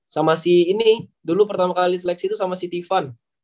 sama si ini dulu pertama kali seleksi itu sama siti fun